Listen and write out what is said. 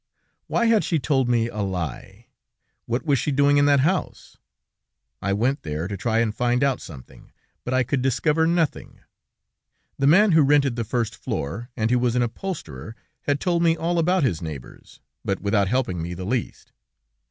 Why had she told me a lie? What was she doing in that house? I went there, to try and find out something, but I could discover nothing. The man who rented the first floor, and who was an upholsterer, had told me all about his neighbors, but without helping me the least.